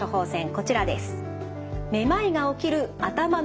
こちらです。